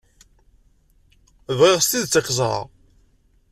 Bɣiɣ s tidet ad k-ẓreɣ.